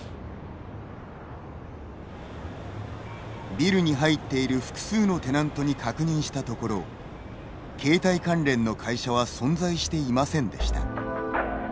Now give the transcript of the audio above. ビルに入っている複数のテナントに確認したところ携帯関連の会社は存在していませんでした。